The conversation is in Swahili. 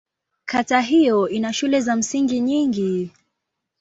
Kata hiyo ina shule za msingi nyingi.